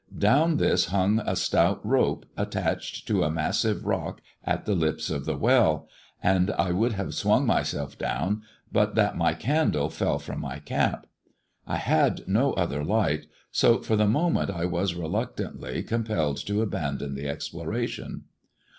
Down this hung a stout rope, attached to a massive rock at the lips of the well ; and I would have swung myself down, but that my candle fell THE DEAD MAN'S DIAMONDS 201 from my cap. I liad no other light, so for the moment I was reluctantly compelled to abandon the exploration.